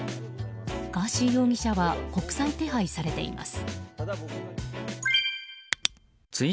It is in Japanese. ガーシー容疑者は国際手配されています。